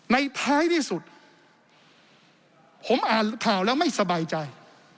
ท้ายที่สุดผมอ่านข่าวแล้วไม่สบายใจ